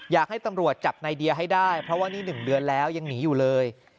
อยากให้ตำรวจจับในเดียให้ได้เพราะว่านี่๑เดือนแล้วยังหนีอยู่เลย